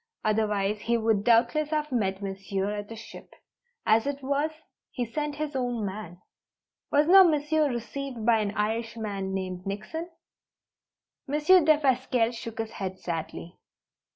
Otherwise he would doubtless have met Monsieur at the ship. As it was, he sent his own man. Was not Monsieur received by an Irishman named Nickson?" Monsieur Defasquelle shook his head sadly.